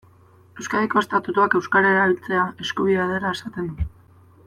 Euskadiko estatutuak euskara erabiltzea eskubidea dela esaten du.